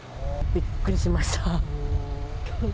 びっくりしました。